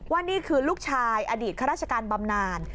ว่านี่คือลูกชายอดีตข้าราชการบำนาน